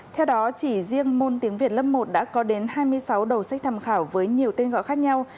theo đó chỉ riêng môn tiếng việt lớp một đã có đến hai mươi sáu đầu sách tham khảo với nhiều tên gọi khác nhau